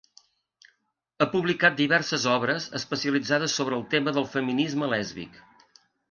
Ha publicat diverses obres especialitzades sobre el tema del feminisme lèsbic.